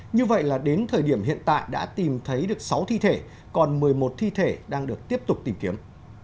như vậy là đến thời điểm hiện tại đã tìm thấy được sáu thi thể còn một mươi một thi thể đang được tiếp tục tìm kiếm